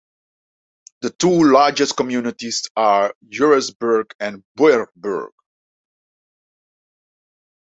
The two largest communities are Eurasburg and Beuerberg.